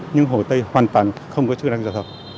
nhưng hồ tây hoàn toàn không có chức năng giao thông